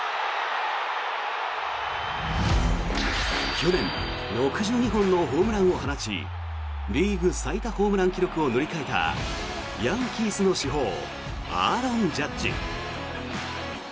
去年６２本のホームランを放ちリーグ最多ホームラン記録を塗り替えたヤンキースの主砲アーロン・ジャッジ。